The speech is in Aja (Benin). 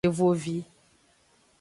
Evovi.